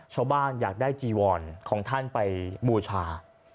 อยากได้จีวอนของท่านไปบูชา